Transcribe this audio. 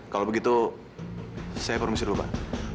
kalau begitu saya formusir dulu pak